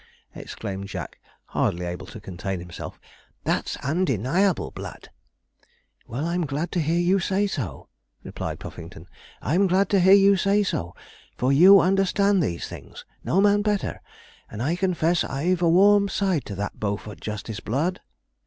exclaimed Jack hardly able to contain himself; 'that's undeniable blood.' 'Well, I'm glad to hear you say so,' replied Puffington. 'I'm glad to hear you say so, for you understand these things no man better; and I confess I've a warm side to that Beaufort Justice blood.'